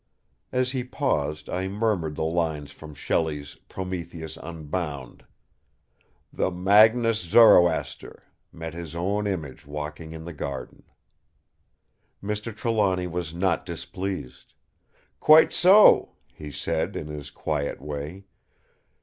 As he paused I murmured the lines from Shelley's "Prometheus Unbound": "'The Magnus Zoroaster.... Met his own image walking in the garden.'" Mr. Trelawny was not displeased. "Quite so!" he said, in his quiet way.